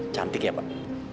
cantik ya pak